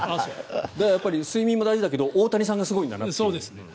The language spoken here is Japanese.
睡眠も大事だけど大谷さんがすごいんだなという。